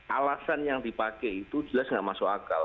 alasan yang dipakai itu jelas tidak masuk akal